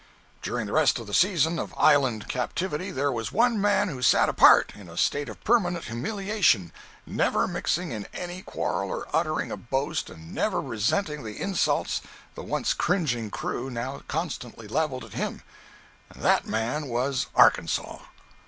During the rest of the season of island captivity, there was one man who sat apart in a state of permanent humiliation, never mixing in any quarrel or uttering a boast, and never resenting the insults the once cringing crew now constantly leveled at him, and that man was "Arkansas."